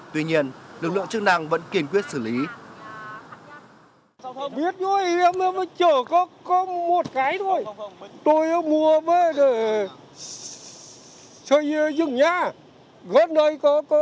tuy nhiên lực lượng chức năng vẫn kiên quyết xử lý